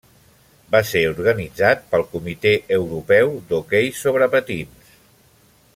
Va ser organitzat pel Comitè Europeu d'Hoquei sobre patins.